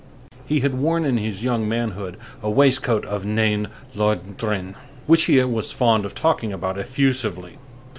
He had worn in his young manhood a waistcoat of Nain Londrin, which he was fond of talking about effusively.